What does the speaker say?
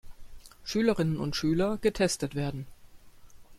Schülerinnen und Schüler, getestet werden.